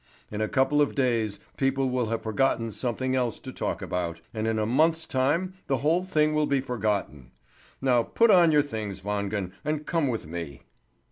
In a couple of days, people will have found something else to talk about, and in a month's time the whole thing will be forgotten. Now put on your things, Wangen, and come with me!"